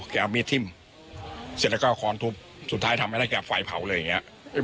แกเอามีดทิ้มเสร็จแล้วก็เอาค้อนทุบสุดท้ายทำไม่ได้แกไฟเผาเลยอย่างเงี้ย